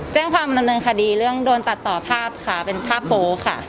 แจ้งความหนึ่งค่ะดีเรื่องโดนตัดต่อภาพค่ะเป็นภาพโพสต์ค่ะ